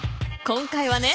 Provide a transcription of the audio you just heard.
今回はね